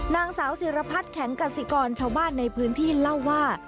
นางสาวศิรพัฒน์แข็งกสิกรชาวบ้านในพื้นที่เล่าว่า